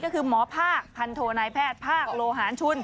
ก็คือหมอภาคพันโทนายแพทย์ภาคโลหารชุน